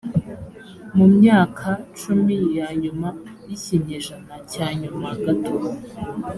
mu myaka cumi ya nyuma y’ikinyejana cya nyuma gato